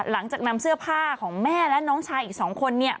หลังจากนำเสื้อผ้าของแม่และน้องชายอีก๒คนเนี่ย